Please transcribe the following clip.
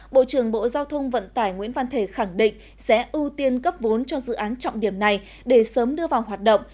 bộ trưởng bộ giao thông vận tải nguyễn văn thể khẳng định sẽ ưu tiên cấp vốn cho dự án trọng điểm này để sớm đưa vào hoạt động